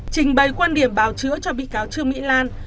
trình bày quan điểm bào chữa cho bị cáo trương mỹ lan